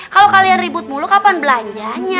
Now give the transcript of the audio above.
kalau kalian ribut mulu kapan belanjanya